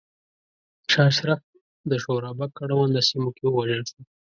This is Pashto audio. شاه اشرف د شورابک اړونده سیمو کې ووژل شو.